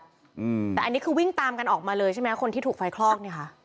อืมแต่อันนี้คือวิ่งตามกันออกมาเลยใช่ไหมคนที่ถูกไฟคลอกเนี่ยค่ะ